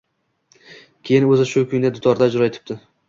Keyin o‘zi shu kuyni dutorda ijro etibdi